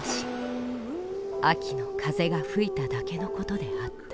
秋の風が吹いただけの事であった」。